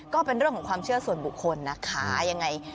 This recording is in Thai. ก็เป็นเรื่องของความเชื่อส่วนบุคคลนะคะยังไง